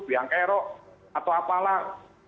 biang kerok atau apalah